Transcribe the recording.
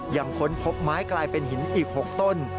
ค้นพบไม้กลายเป็นหินอีก๖ต้น